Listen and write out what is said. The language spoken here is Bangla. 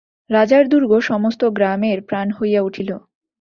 রাজার দুর্গ সমস্ত গ্রামের প্রাণ হইয়া উঠিল।